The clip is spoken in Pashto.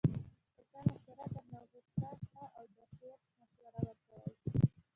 که چا مشوره درنه غوښته، ښه او د خیر مشوره ورکوئ